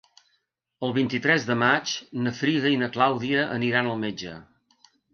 El vint-i-tres de maig na Frida i na Clàudia aniran al metge.